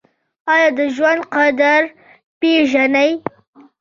ایا د ژوند قدر پیژنئ؟